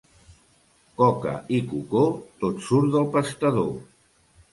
Coca i cocó, tot surt del pastador.